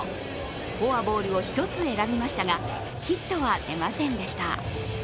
フォアボールを１つ選びましたがヒットは出ませんでした。